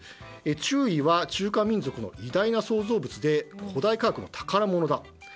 中医は中華民族の偉大な創造物で古代科学の宝物だ。